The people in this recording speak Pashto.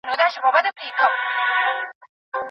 هغه بازارونه چې کنټرول نه دي ګران فروشي کوي.